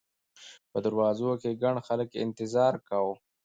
په دروازو کې ګڼ خلک انتظار کاوه.